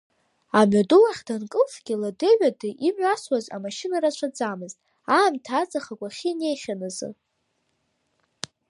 Амҩаду ахь данкылсгьы, ладеи-ҩадеи имҩасуаз амашьына рацәаӡамызт, аамҭа аҵх агәахьы инеихьан азы.